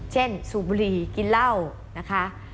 สูบบุหรี่กินเหล้านะคะ